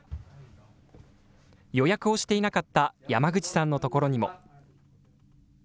予約をしていなかった山口さんの所にも。